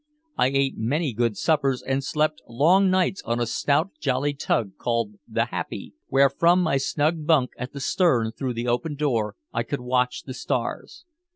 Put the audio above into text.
I ate many good suppers and slept long nights on a stout jolly tug called The Happy, where from my snug bunk at the stern through the open door I could watch the stars.